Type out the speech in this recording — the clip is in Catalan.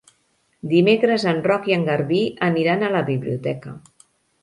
Dimecres en Roc i en Garbí aniran a la biblioteca.